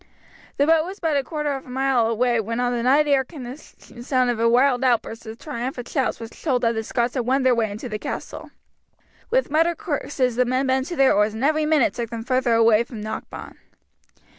The boat was but a quarter of a mile away when on the night air came the sound of a wild outburst of triumphant shouts which told that the Scots had won their way into the castle. With muttered curses the men bent to their oars and every minute took them further away from Knockbawn.